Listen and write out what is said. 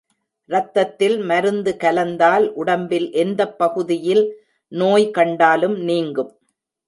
ரத்தத்தில் மருந்து கலந்தால் உடம்பில் எந்தப் பகுதியில் நோய் கண்டாலும் நீங்கும்.